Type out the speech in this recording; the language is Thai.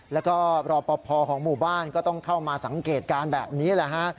แล้วก็รอปภของหมู่บ้านก็ต้องเข้ามาสังเกตการณ์แบบนี้แหละฮะ